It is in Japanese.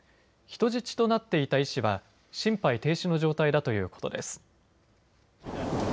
人質となっていた医師は心肺停止の状態だということです。